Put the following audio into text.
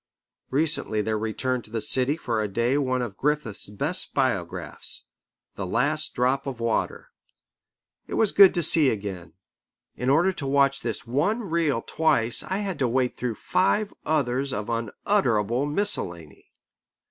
Recently there returned to the city for a day one of Griffith's best Biographs, The Last Drop of Water. It was good to see again. In order to watch this one reel twice I had to wait through five others of unutterable miscellany.